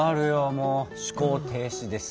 もう思考停止です。